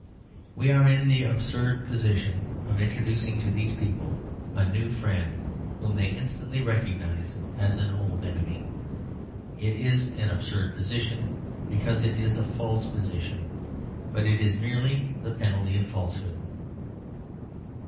We are in the absurd position of introducing to these people a new friend whom they instantly recognise as an old enemy. It is an absurd position because it is a false position; but it is merely the penalty of falsehood.